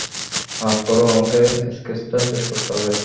মাফ করো, আমাকে স্কেচটা শেষ করতে হবে।